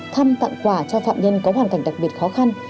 thăm tặng quà cho phạm nhân có hoàn cảnh đặc biệt khó khăn